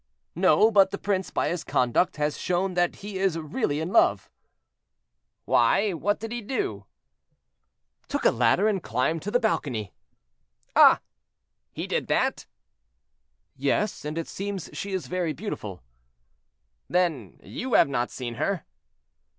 "No, but the prince, by his conduct, has shown that he is really in love." "Why, what did he do?" "Took a ladder and climbed to the balcony."—"Ah! he did that?" "Yes, and it seems she is very beautiful." "Then you have not seen her?"